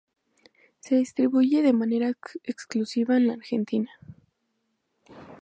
Se distribuye de manera exclusiva en la Argentina.